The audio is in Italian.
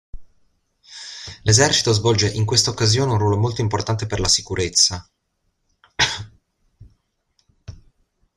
L'esercito svolge in questa occasione un ruolo molto importante per la sicurezza.